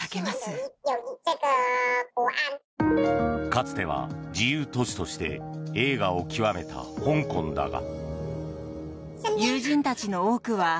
かつては自由都市として栄華を極めた香港だが。